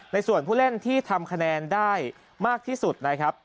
ส่วนผู้เล่นที่ทำคะแนนได้มากที่สุดนะครับ